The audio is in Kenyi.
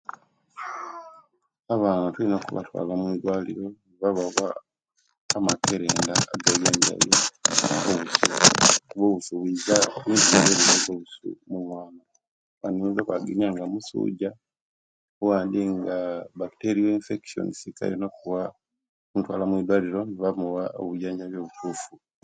Abaana tulina okubatwaala omwidwaliro bababwa amakerendda agaijajamba owusu kuba owusu wiiza owandi nga musujja owandi nga bakiteryo nfekisyonizi nebamuwa obujajambi obutufu